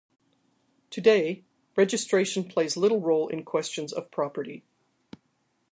Today, registration plays little role in questions of property.